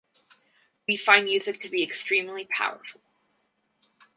We find music to be extremely powerful.